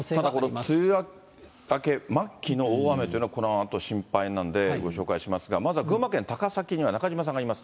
ただこの梅雨明け末期の大雨というのが、このあと心配なんで、ご紹介しますが、まずは群馬県高崎には中島さんがいます。